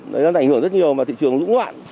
đấy là ảnh hưởng rất nhiều vào thị trường dũng loạn